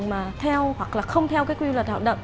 mà theo hoặc là không theo quy luật hạo động